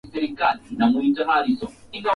vijana wanatakiwa kufanya maamuzi salama kwa afya zao